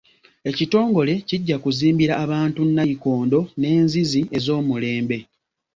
Ekitongole kijja kuzimbira abantu nnayikondo n'enzizi ez'omulembe.